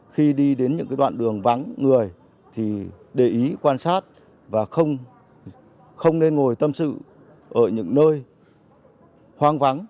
khi đi đến những đoạn đường vắng người thì để ý quan sát và không nên ngồi tâm sự ở những nơi hoang vắng